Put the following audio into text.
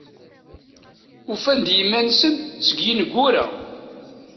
Ufan-d iman-nsen seg yineggura.